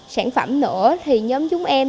sản phẩm nữa thì nhóm chúng em